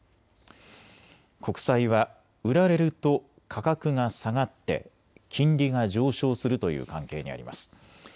国債は売られると価格が下がって金利が上昇するという関係にあります。